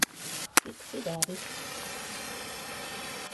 Pixie Davies